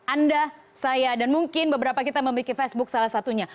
anda saya dan mungkin beberapa kita memiliki facebook salah satunya